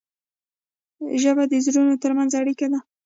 ژبه د زړونو ترمنځ اړیکه ده.